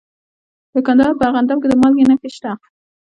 د کندهار په ارغنداب کې د مالګې نښې شته.